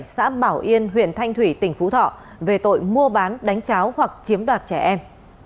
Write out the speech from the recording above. xã bảo yên huyện thanh thủy tỉnh phú thọ về tội mua bán đánh cháo hoặc chiếm đoạt trẻ em